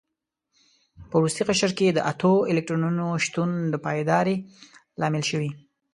په وروستي قشر کې د اتو الکترونونو شتون د پایداري لامل شوی دی.